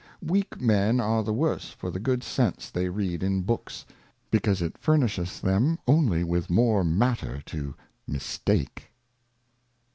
Weak Men are the worse for the good Sense they read in Books, because it furnisheth them only with more Matter to mistake.